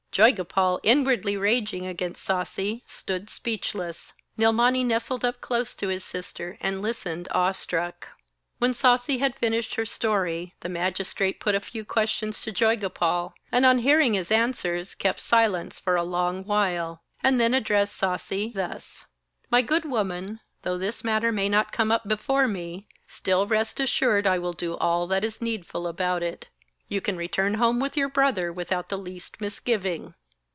Joygopal, inwardly raging against Sasi, stood speechless. Nilmani nestled up close to his sister, and listened awe struck. When Sasi had finished her story, the Magistrate put a few questions to Joygopal, and on hearing his answers, kept silence for a long while, and then addressed Sasi thus: 'My good woman, though this matter may not come up before me, still rest assured I will do all that is needful about it. You can return home with your brother without the least misgiving.'